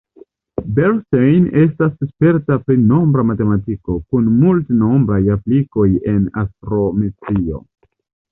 Bernstein estas sperta pri nombra matematiko, kun multenombraj aplikoj en astrometrio.